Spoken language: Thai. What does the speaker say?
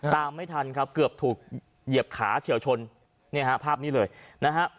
ตามไม่ทันครับเกือบถูกเหยียบขาเฉียวชนเนี่ยฮะภาพนี้เลยนะฮะ